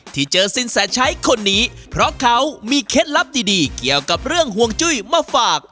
ที่เจอสินแสชัยคนนี้เพราะเขามีเคล็ดลับดีเกี่ยวกับเรื่องห่วงจุ้ยมาฝาก